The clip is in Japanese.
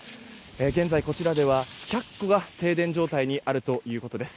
現在、こちらでは１００戸が停電状態にあるということです。